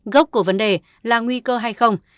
gốc của vấn đề là nguy cơ hay không